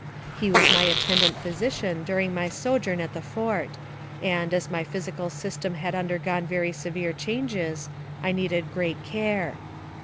He was my attendant physician during my sojourn at the fort, and, as my physical system had undergone very severe changes, I needed great care.